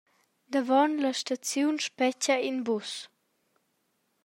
Davon la staziun spetga in bus.